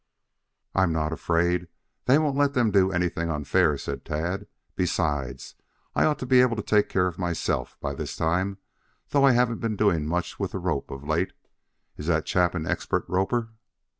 "I'm not afraid. They won't let them do anything unfair," said Tad. "Besides, I ought to be able to take care of myself, by this time, though I haven't been doing much with the rope of late. Is that chap an expert roper?"